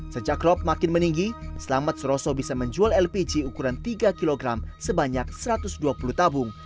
sejak rop makin meninggi selamat suroso bisa menjual lpg ukuran tiga kg sebanyak satu ratus dua puluh tabung